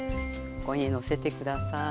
ここにのせて下さい。